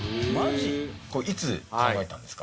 これいつ考えたんですか？